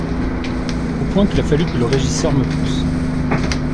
Au point qu’il a fallu que le régisseur me pousse.